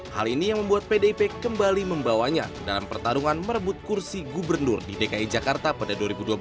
hal ini yang membuat pdip kembali membawanya dalam pertarungan merebut kursi gubernur di dki jakarta pada dua ribu dua belas